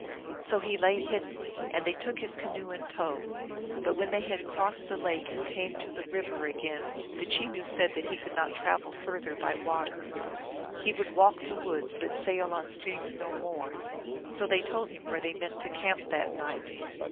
So he lay hidden, and they took his canoe in tow. But when they had crossed the lake and come to the river again, the Chenoo said that he could not travel further by water. He would walk the woods, but sail on streams no more. So they told him where they meant to camp that night.